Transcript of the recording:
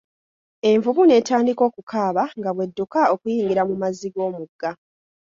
Envubu netandika okukaaba nga bw'edduka okuyingira mu mazzi g'omugga.